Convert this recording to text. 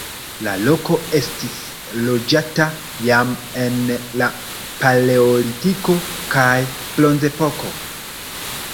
La loko estis loĝata jam en la paleolitiko kaj bronzepoko.